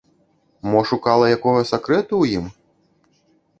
Мо шукала якога сакрэту ў ім?